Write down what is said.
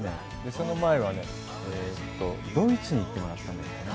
その前はドイツに行ってもらったよね？